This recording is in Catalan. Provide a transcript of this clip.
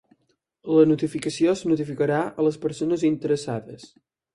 La notificació es notificarà a les persones interessades.